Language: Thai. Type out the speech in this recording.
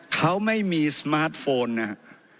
เขาไม่มีสมาร์ทโฟนนะครับ